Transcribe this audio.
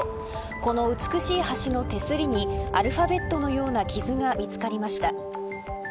この美しい橋の手すりにアルファベットのような傷が見つかりました。